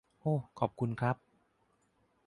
โอ้ขอบคุณครับ